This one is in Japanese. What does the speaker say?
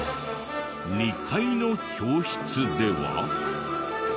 ２階の教室では。